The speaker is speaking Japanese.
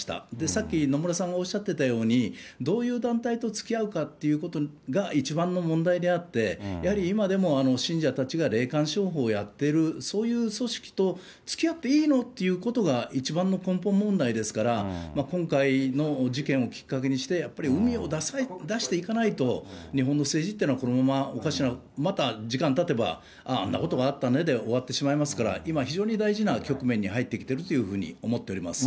さっき野村さんがおっしゃってたように、どういう団体とつきあうかっていうことが一番の問題であって、やはり今でも、信者たちが霊感商法をやってる、そういう組織とつきあっていいのっていうことが、一番の根本問題ですから、今回の事件をきっかけにして、やはりうみを出していかないと、日本の政治っていうのは、このままおかしな、また時間たてば、あんなことがあったねで終わってしまいますから、今、非常に大事な局面に入ってきているというふうに思っております。